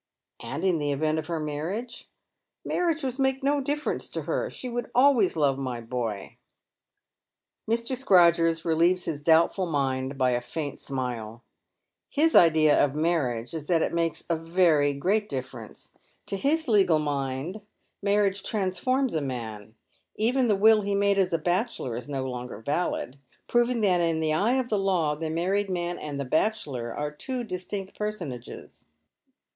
" And in the event of her marriage "" Marriage would make no difference in her. She would always love my boy." Mr. Scrodgers relieves his doubtful mind by a faint smile. His idea of marriage is that it makes a very great difference. To hia legal mind marriage transforms a man. Even the will he made as a bachelor is no longer valid, proving that in the eye of the law the married man and the bachelor are two distinct personages.